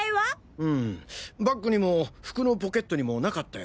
うんバッグにも服のポケットにもなかったよ。